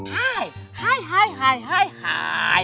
hai hai hai hai hai hai